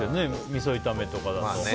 みそ炒めとかだと。